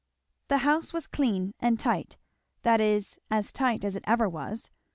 The house was clean and tight, that is, as tight as it ever was.